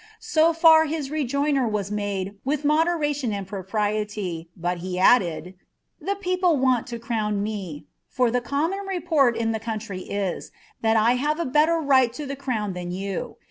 *' So far bis rejoinder was made with modeniMi and propriety, but he added —" The people want to crown me ; for the common report in tk« e try is, that I have a better right to the cmwn than you.